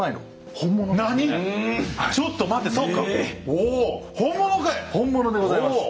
本物でございます。